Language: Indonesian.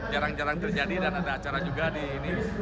jarang jarang terjadi dan ada acara juga di ini